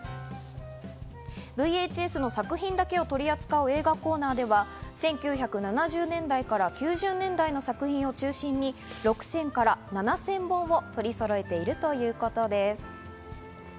ＶＨＳの作品だけを取り扱う映画のコーナーでは１９７０年代から９０年代の作品を中心に６０００から７０００本を取り揃えているということです。